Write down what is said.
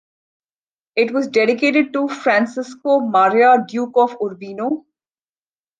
It was dedicated to Francesco Maria, Duke of Urbino.